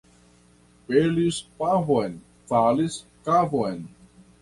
Pelis pavon, falis kavon.